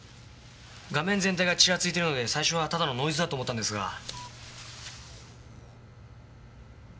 画面全体がちらついているので最初はただのノイズだと思ったんですが。